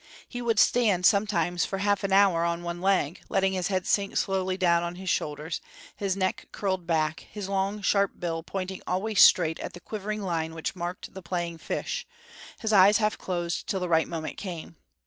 He would stand sometimes for a half hour on one leg, letting his head sink slowly down on his shoulders, his neck curled back, his long sharp bill pointing always straight at the quivering line which marked the playing fish, his eyes half closed till the right moment came.